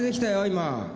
今。